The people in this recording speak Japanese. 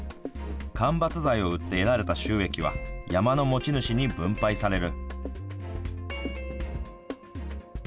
間伐材を売って得られた収益は山の持ち主に分配される。